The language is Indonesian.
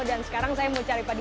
dan sekarang saya mau cari pak dwi